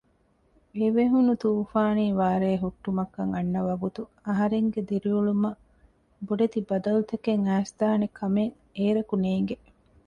އެވެހުނު ތޫފާނީ ވާރޭ ހުއްޓުމަކަށް އަންނަ ވަގުތު އަހަރެންގެ ދިރިއުޅުމަށް ބޮޑެތި ބަދަލުތަކެއް އައިސްދާނެކަމެއް އޭރަކު ނޭނގެ